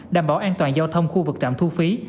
đảm bảo an toàn giao thông khu vực trạm thu phí